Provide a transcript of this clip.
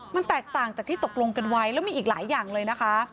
มันแตกต่างจากที่ตกลงกันไว้แล้วมีอีกหลายอย่างเลยนะคะ